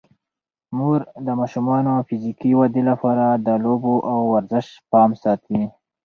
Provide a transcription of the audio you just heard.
مور د ماشومانو د فزیکي ودې لپاره د لوبو او ورزش پام ساتي.